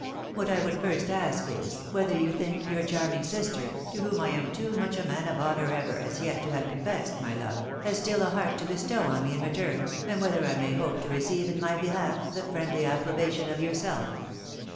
What I would firgt ask is, whether you think your charming sister, to whom I am too much a man of honour ever as yet to have confessed my love, has stiU a heart to bestow on me in return, and whether I may hope to receive in my behalf, the friendly approbation of yourself?